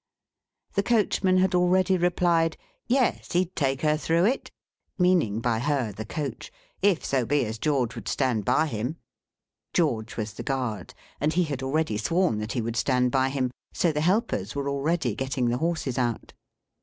The coachman had already replied, "Yes, he'd take her through it," meaning by Her the coach, "if so be as George would stand by him." George was the guard, and he had already sworn that he would stand by him. So the helpers were already getting the horses out.